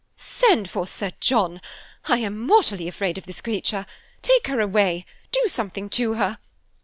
"Send for Sir John! I am mortally afraid of this creature. Take her away; do something to her.